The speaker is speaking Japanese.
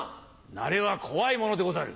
慣れは怖いものでござる。